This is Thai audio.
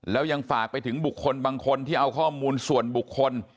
แล้วยังฝากไปถึงบุคคลบางคนที่เอาข้อมูลส่วนบุคคล